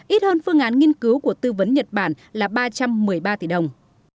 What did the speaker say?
ít hơn phương án nghiên cứu của tư vấn nhật bản là ba trăm một mươi ba tỷ đồng